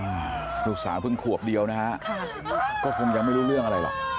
อ่าลูกสาวเพิ่งขวบเดียวนะฮะค่ะก็คงยังไม่รู้เรื่องอะไรหรอก